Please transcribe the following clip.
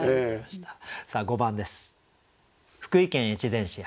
さあ５番です。